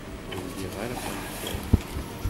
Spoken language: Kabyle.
Ur liɣ ara tameṭṭut.